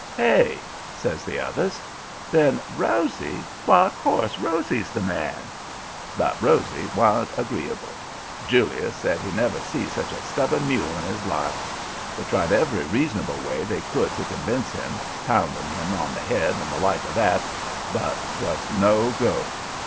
"'Hey?' says the others. Then, 'Rosy? Why, of course, Rosy's the man.' "But Rosy wa'n't agreeable. Julius said he never see such a stubborn mule in his life. They tried every reasonable way they could to convince him, pounding him on the head and the like of that, but 'twas no go.